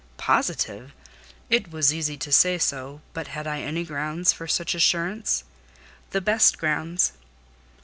"Positive! It was easy to say so, but had I any grounds for such assurance?" "The best grounds."